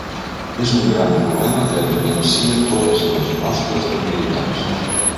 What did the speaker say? És un gran problema que evidencia totes les nostres debilitats.